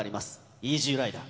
イージュー★ライダー。